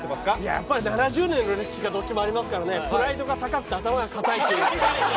やっぱり、７０年の歴史がどっちもありますからね、プライドが高くて頭が固いっていう。